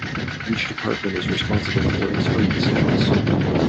Each department is responsible for its own decisions.